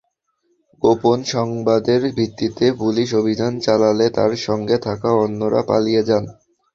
গোপন সংবাদের ভিত্তিতে পুলিশ অভিযান চালালে তাঁর সঙ্গে থাকা অন্যরা পালিয়ে যান।